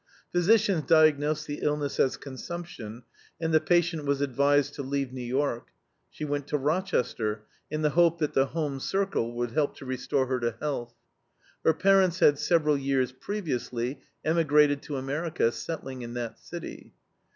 Physicians diagnosed the illness as consumption, and the patient was advised to leave New York. She went to Rochester, in the hope that the home circle would help restore her to health. Her parents had several years previously emigrated to America, settling in that city.